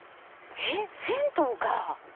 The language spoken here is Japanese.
銭湯か。